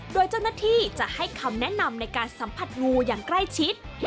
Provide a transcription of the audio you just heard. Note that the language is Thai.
โดยเจ้าหน้าที่จะให้คำแนะนำในการสัมผัสงูอย่างใกล้ชิด